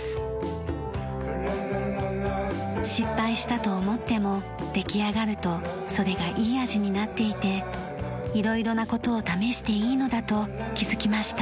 失敗したと思っても出来上がるとそれがいい味になっていて色々な事を試していいのだと気づきました。